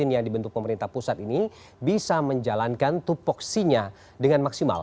yang dibentuk pemerintah pusat ini bisa menjalankan tupoksinya dengan maksimal